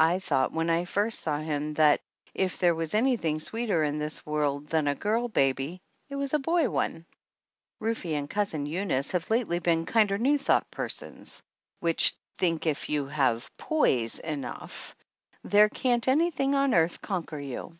I thought when I first saw him that if there was anything sweeter in this world than a girl baby it is a boy one ! Rufe and Cousin Eunice have lately been kinder New Thought persons, which think if you have "poise" enough there can't anything on earth conquer you.